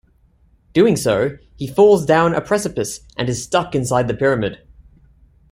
Doing so, he falls down a precipice and is stuck inside the pyramid.